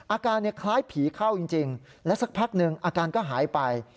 อาการคล้ายผีเข้าจริงและสักพักหนึ่งอาการก็หายไป